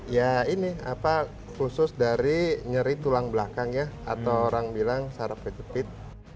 ya ini apa khusus dari nyeri tulang belakang ya atau orang bilang sarap kejepit